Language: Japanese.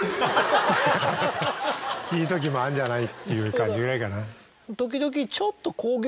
いいときもあるんじゃない？っていう感じぐらいかな。